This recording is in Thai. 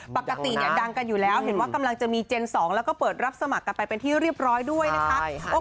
ปกติเนี่ยดังกันอยู่แล้วเห็นว่ากำลังจะมีเจน๒แล้วก็เปิดรับสมัครกันไปเป็นที่เรียบร้อยด้วยนะคะ